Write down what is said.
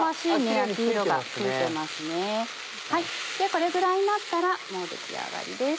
これぐらいになったらもう出来上がりです。